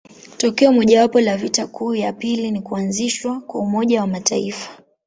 Tokeo mojawapo la vita kuu ya pili ni kuanzishwa kwa Umoja wa Mataifa.